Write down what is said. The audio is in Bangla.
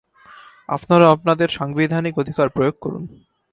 আপনারা আপনাদের সাংবিধানিক অধিকার প্রয়োগ করুন।